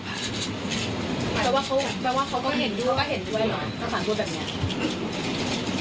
หมายความว่าเขาก็เห็นด้วยหรอถ้าฟังตัวแบบเนี่ย